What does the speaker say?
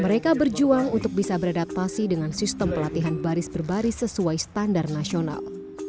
mereka berjuang untuk bisa beradaptasi dengan sistem pelatihan baris berbaris sesuai standar nasional